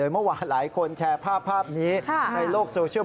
เมื่อวานหลายคนแชร์ภาพนี้ในโลกโซเชียล